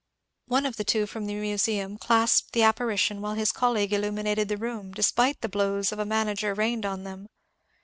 One of the two from the museum clasped the appari tion while his colleague illuminated the room, despite the blows of a manager rained on them.